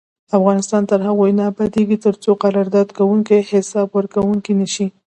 افغانستان تر هغو نه ابادیږي، ترڅو قرارداد کوونکي حساب ورکوونکي نشي.